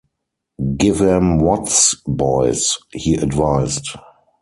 "Give 'em Watts, boys!", he advised.